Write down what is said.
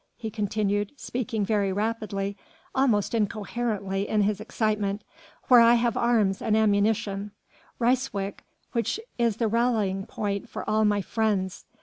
he continued, speaking very rapidly almost incoherently in his excitement, "where I have arms and ammunition, Ryswyk, which is the rallying point for all my friends